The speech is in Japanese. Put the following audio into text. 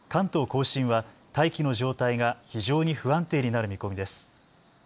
甲信は大気の状態が非常に不安定になる見込みです。